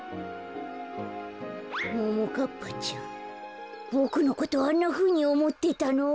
ももかっぱちゃんボクのことあんなふうにおもってたの？